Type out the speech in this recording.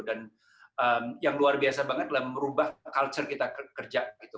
dan yang luar biasa banget adalah merubah kultur kita kerja gitu